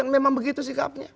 memang begitu sikapnya